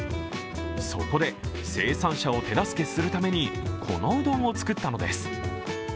そこで生産者を手助けするためにこのうどんを作ったのです。